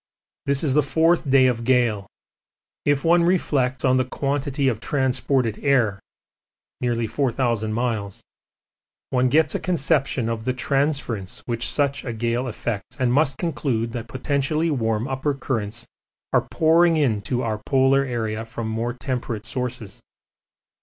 This is the fourth day of gale; if one reflects on the quantity of transported air (nearly 4,000 miles) one gets a conception of the transference which such a gale effects and must conclude that potentially warm upper currents are pouring into our polar area from more temperate sources.